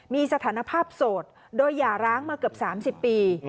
มีสถานภาพโสดโดยหย่าร้างมาเกือบ๓๐ปี